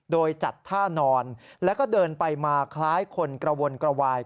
โดยจัดท่านอนแล้วก็เดินไปมาคล้ายคนกระวนกระวาย